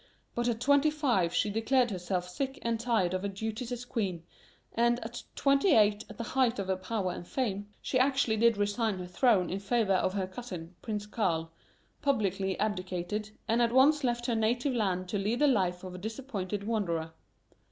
But at twenty five she declared herself sick and tired of her duties as queen, and at twenty eight, at the height of her power and fame, she actually did resign her throne in favor of her cousin, Prince Karl, publicly abdicated, and at once left her native land to lead the life of a disappointed wanderer.